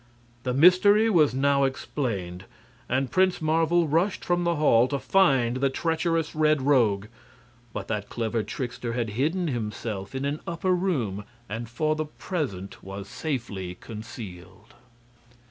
The mystery was now explained, and Prince Marvel rushed from the hall to find the treacherous Red Rogue. But that clever trickster had hidden himself in an upper room, and for the present was safely concealed.